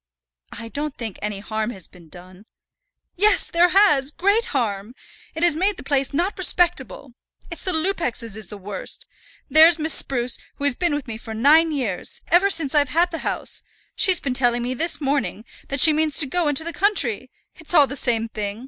"I don't think any harm has been done." "Yes, there has; great harm. It has made the place not respectable. It's the Lupexes is the worst. There's Miss Spruce, who has been with me for nine years, ever since I've had the house, she's been telling me this morning that she means to go into the country. It's all the same thing.